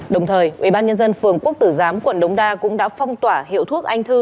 đồng thời ubnd phường quốc tử giám quận đống đa cũng đã phong tỏa hiệu thuốc anh thư